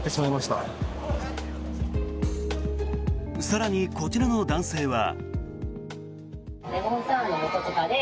更にこちらの男性は。